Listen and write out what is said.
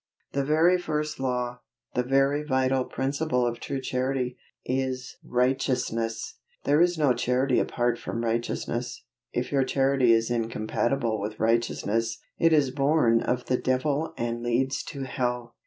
The very first law, the very vital principle of true Charity, is righteousness. There is no Charity apart from righteousness. If your Charity is incompatible with righteousness, it is born of the devil and leads to hell!